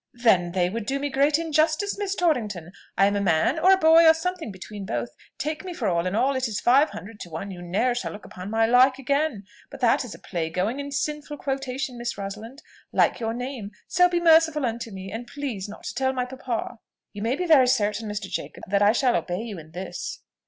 "Then they would do me great injustice, Miss Torrington. I am a man, or a boy, or something between both: take me for all in all, it is five hundred to one you ne'er shall look upon my like again. But that is a play going and sinful quotation, Miss Rosalind, like your name: so be merciful unto me, and please not to tell my papa." "You may be very certain, Mr. Jacob, that I shall obey you in this."